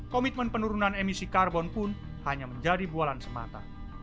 komitmen penurunan emisi karbon pun hanya menjadi bualan semata